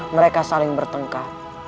mereka saling bertengkar